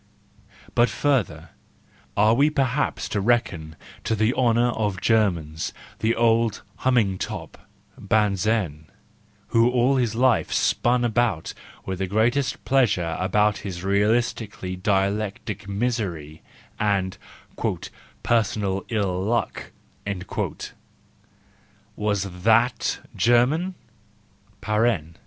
But further, are we perhaps to reckon to the honour of Germans, the old humming top, Bahnsen, who all his life spun about with the greatest pleasure around his realistically dialectic misery and " personal ill luck,"—was that German?